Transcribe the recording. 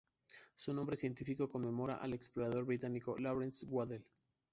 Su nombre científico conmemora al explorador británico Laurence Waddell.